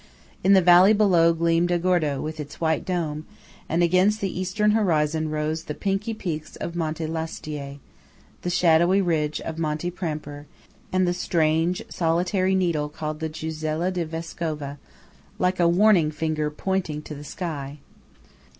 In the valley below gleamed Agordo, with its white dome; and against the Eastern horizon rose the pinky peaks of Monte Lasteie, the shadowy ridge of Monte Pramper, and the strange, solitary needle called the Gusella di Vescova, like a warning finger pointing to the sky.